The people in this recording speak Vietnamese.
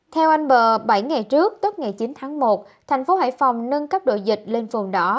theo anh bờ bảy ngày trước tức ngày chín tháng một tp hải phòng nâng cấp độ dịch lên phùng đỏ